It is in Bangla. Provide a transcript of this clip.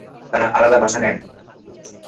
তারা আলাদা বাসা নেন।